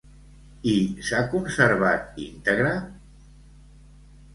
I s'ha conservat íntegre?